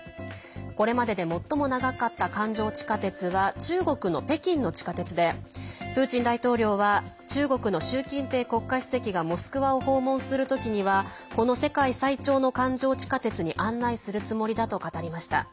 これまでで最も長かった環状地下鉄は中国の北京の地下鉄でプーチン大統領は中国の習近平国家主席がモスクワを訪問する時にはこの世界最長の環状地下鉄に案内するつもりだと語りました。